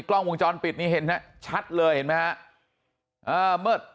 กล้องวงจรปิดนี่เห็นชัดเลยเห็นไหมฮะ